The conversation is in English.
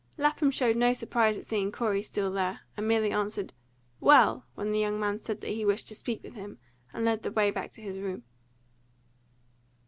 Lapham showed no surprise at seeing Corey still there, and merely answered, "Well!" when the young man said that he wished to speak with him, and led the way back to his room.